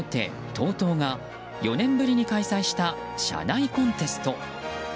ＴＯＴＯが４年ぶりに開催した社内コンテスト。